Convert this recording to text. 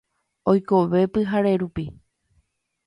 Oikove pyhare rupi.